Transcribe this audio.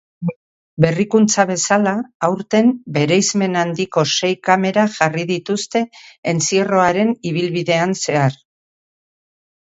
Berrikuntza bezala, aurten bereizmen handiko sei kamera jarri dituzte entzierroaren ibilbidean zehar.